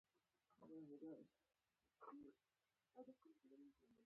اضافي ترکیب هغه دئ، چي یو اسم د بل اسم ملکیت وښیي.